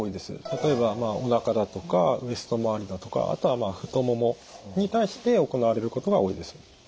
例えばおなかだとかウエスト周りだとかあとは太ももに対して行われることが多いです。